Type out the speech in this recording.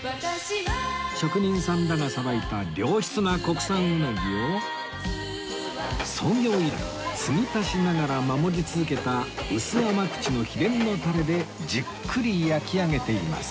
職人さんらがさばいた良質な国産うなぎを創業以来継ぎ足しながら守り続けた薄甘口の秘伝のタレでじっくり焼き上げています